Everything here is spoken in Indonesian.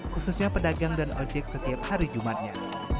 khususnya pedagang dan ojek setiap hari jumatnya